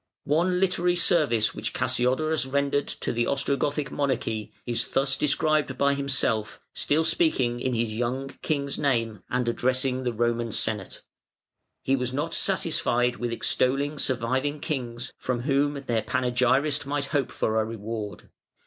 One literary service which Cassiodorus rendered to the Ostrogothic monarchy is thus described by himself, still speaking in his young king's name and addressing the Roman Senate. [Footnote 90: Variæ ix., 25.] "He was not satisfied with extolling surviving Kings, from whom their panegyrist might hope for a reward.